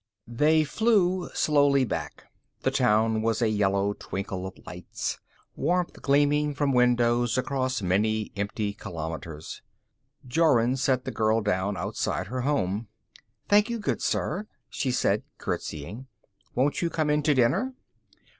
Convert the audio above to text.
3 They flew slowly back. The town was a yellow twinkle of lights, warmth gleaming from windows across many empty kilometers. Jorun set the girl down outside her home. "Thank you, good sir," she said, curtseying. "Won't you come in to dinner?"